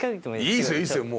いいですよいいですよ